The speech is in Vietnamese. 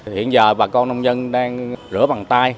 hiện giờ bà con nông dân đang rửa bằng tay